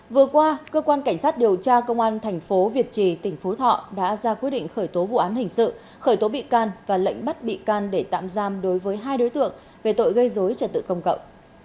vừa qua cơ quan cảnh sát điều tra công an thành phố việt trì tỉnh phú thọ đã ra quyết định khởi tố vụ án hình sự khởi tố bị can và lệnh bắt bị can để tạm giam đối với hai đối tượng về tội gây dối trật tự công cậu